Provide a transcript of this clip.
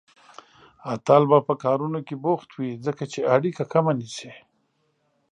اتل به په کارونو کې بوخت وي، ځکه چې اړيکه کمه نيسي.